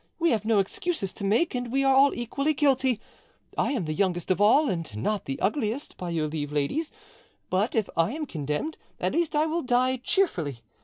We have no excuses to make, and we are all equally guilty. I am the youngest of all, and not the ugliest, by your leave, ladies, but if I am condemned, at least I will die cheerfully.